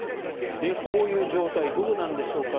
こういう状態どうなんでしょうか。